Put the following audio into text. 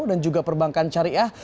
dan juga perbankan syariah